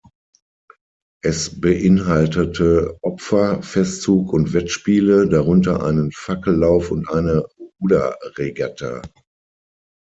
Es beinhaltete Opfer, Festzug und Wettspiele, darunter einen Fackellauf und eine Ruderregatta.